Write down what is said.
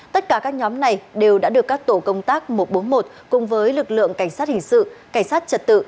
tất cả các nhóm này đều đã được các tổ công tác một trăm bốn mươi một cùng với lực lượng cảnh sát hình sự cảnh sát trật tự